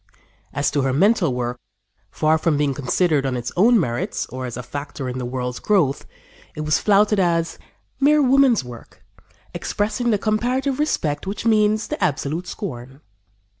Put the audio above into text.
" As to her mental work, far from being considered on its own merits or as a factor in the world's growth, it was flouted as "Mere woman's work Expressing the comparative respect Which means the absolute scorn."